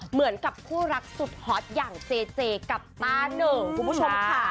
เหมือนกับคู่รักสุดฮอตอย่างเจเจกับตาหนึ่งคุณผู้ชมค่ะ